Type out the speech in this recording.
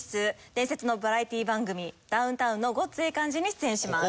伝説のバラエティー番組『ダウンタウンのごっつええ感じ』に出演します。